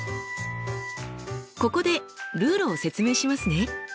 ここでルールを説明しますね。